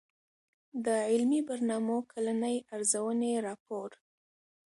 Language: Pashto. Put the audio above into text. د علمي برنامو کلنۍ ارزوني راپور